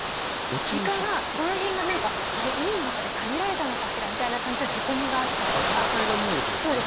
イカがこの辺が何かあれ海の中でかじられたのかしらみたいな感じのへこみがあったりとか戦いが見えるってことねそうです